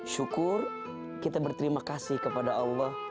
syukur kita berterima kasih kepada allah